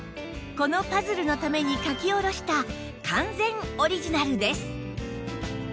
このパズルのために描き下ろした完全オリジナルです